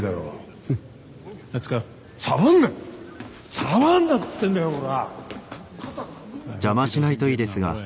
触んなっつってんだよおら。